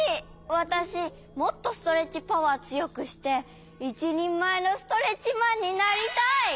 わたしもっとストレッチパワーつよくしていちにんまえのストレッチマンになりたい！